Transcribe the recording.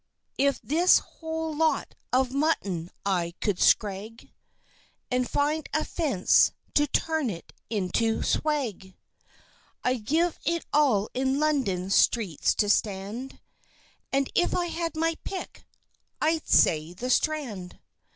"If this whole Lot of Mutton I could scrag, And find a Fence to turn it into Swag, I'd give it all in London Streets to stand, And if I had my pick, I'd say the Strand!